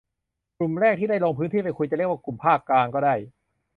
กลุ่มแรกที่ได้ลงพื้นที่ไปคุย จะเรียกว่ากลุ่มภาคกลางก็ได้